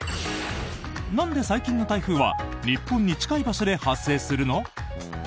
なんで最近の台風は日本に近い場所で発生するの？